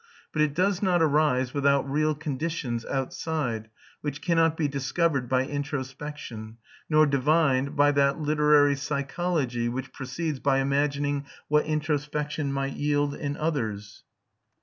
But it does not arise without real conditions outside, which cannot be discovered by introspection, nor divined by that literary psychology which proceeds by imagining what introspection might yield in others.